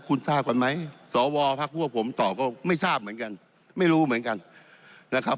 คุณทราบกันไหมสวพักพวกผมตอบก็ไม่ทราบเหมือนกันไม่รู้เหมือนกันนะครับ